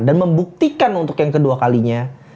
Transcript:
dan membuktikan untuk yang kedua kalinya